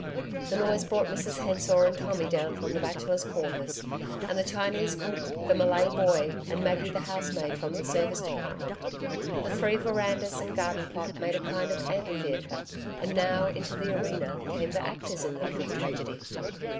The noise brought Mrs Hensor and Tommy down from the Bachelors' Quarters, and the Chinese cook, the Malay boy and Maggie the housemaid from the service department. The three verandas and garden plot made a kind of amphitheatre; and now, into the arena, came the actors in the little tragedy.